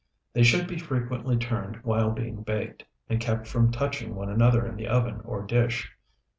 They should be frequently turned while being baked, and kept from touching one another in the oven or dish.